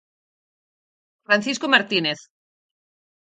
Francisco Martínez.